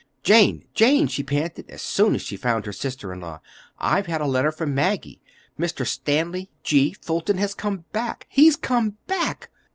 "Jane, Jane," she panted, as soon as she found her sister in law. "I've had a letter from Maggie. Mr. Stanley G. Fulton has come back. _He's come back!